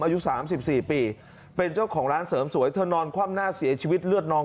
อายุสามสิบสี่ปีเป็นเจ้าของร้านเสริมสวยเธอนอนข้ามหน้าเสียชีวิตเลือดนอง